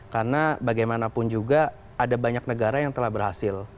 karena bagaimanapun juga ada banyak negara yang telah berhasil